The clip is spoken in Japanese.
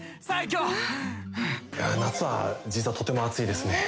夏は実はとても暑いですね。